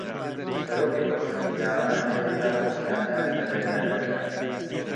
سەرۆکی حکوومەتیش داوایان لێ دەکات خۆپیشاندانی مەدەنییانە بکەن